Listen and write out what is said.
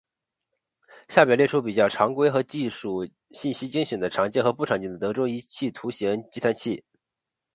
下表列出比较常规和技术信息精选的常见和不常见的德州仪器图形计算器。